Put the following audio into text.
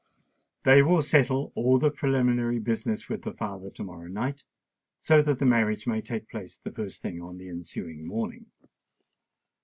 They will settle all the preliminary business with the father to morrow night, so that the marriage may take place the first thing on the ensuing morning."